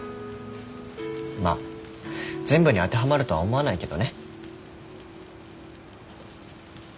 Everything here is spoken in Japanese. まあ全部に当てはまるとは思わないけどね。